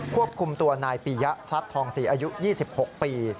ควบคุมตัวนายปียะพลัดทองศรีอายุ๒๖ปี